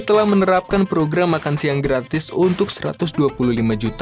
telah menerapkan program makan siang gratis untuk para pemakaman makanan gratis indonesia dan juga